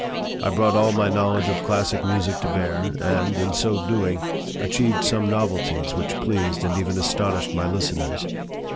I brought all my knowledge of classic music to bear and, in so doing, achieved some novelties which pleased and even astonished my listeners.